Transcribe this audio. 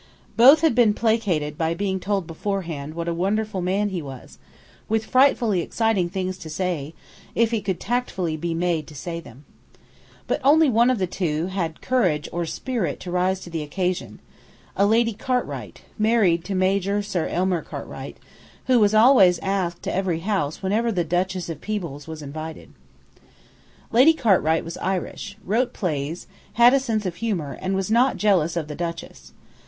Both had been placated by being told beforehand what a wonderful man he was, with frightfully exciting things to say, if he could tactfully be made to say them. But only one of the two had courage or spirit to rise to the occasion the woman he was given to take in, a Lady Cartwright, married to Major Sir Elmer Cartwright, who was always asked to every house whenever the Duchess of Peebles was invited. Lady Cartwright was Irish, wrote plays, had a sense of humour, and was not jealous of the Duchess.